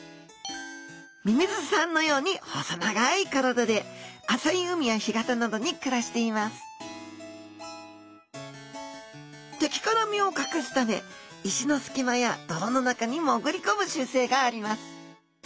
ミミズさんのように細長い体で浅い海や干潟などに暮らしています敵から身を隠すため石のすき間や泥の中に潜り込む習性があります